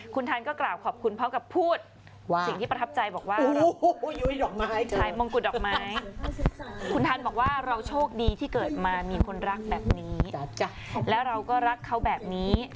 คุณทันก็กราบขอบคุณพร้อมกับพูดสิ่งที่ประทับใจบอกว่าเราก็รักเขาแบบนี้